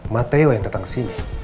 mateo yang datang ke sini